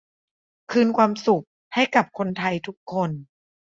คืนความสุขให้กับคนไทยทุกคน